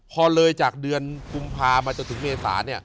พอเลยจากเดือนกุมภามาจนถึงเมษา